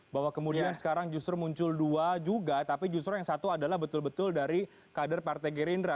bahwa kemudian sekarang justru muncul dua juga tapi justru yang satu adalah betul betul dari kader partai gerindra